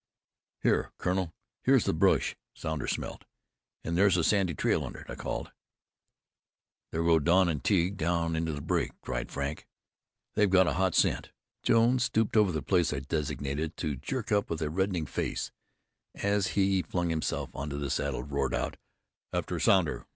"Here, Colonel, here's the bush Sounder smelt and there's a sandy trail under it," I called. "There go Don an' Tige down into the break!" cried Frank. "They've got a hot scent!" Jones stooped over the place I designated, to jerk up with reddening face, and as he flung himself into the saddle roared out: "After Sounder!